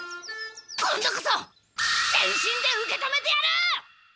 今度こそ全身で受け止めてやる！